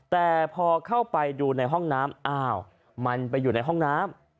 แต่พอเข้าไปดูในห้องน้ำอ้าวมันไปอยู่ในห้องน้ำ